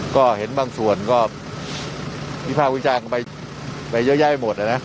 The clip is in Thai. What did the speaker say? ก็เห็นบางส่วนก็มีภาพวิจารณ์ไปเยอะแย่หมดแล้วนะ